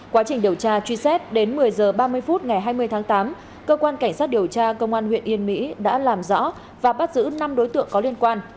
quá trình điều tra truy xét đến một mươi h ba mươi phút ngày hai mươi tháng tám cơ quan cảnh sát điều tra công an huyện yên mỹ đã làm rõ và bắt giữ năm đối tượng có liên quan